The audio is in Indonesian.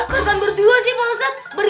korban berdua sih pak ustadz